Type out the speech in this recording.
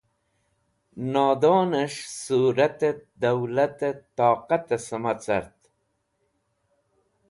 Nodonẽs̃h sũratẽt, dowlatẽt toqatẽ sẽmacar.